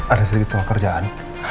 ada sedikit soal kerjaan